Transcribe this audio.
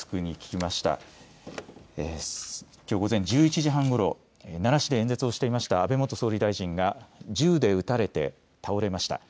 きょう午前１１時半ごろ奈良市で演説をしていました安倍元総理大臣が銃で撃たれて倒れました。